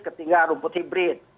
ketiga rumput hibrid